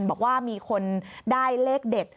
บอกว่ามีคนได้เลขเด็ด